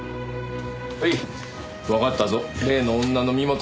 はいわかったぞ例の女の身元。